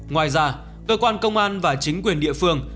ngoài ra cơ quan công an và chính quyền địa phương